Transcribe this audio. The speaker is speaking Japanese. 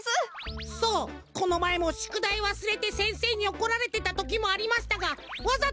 そうこのまえもしゅくだいわすれてせんせいにおこられてたときもありましたがわざとではありません。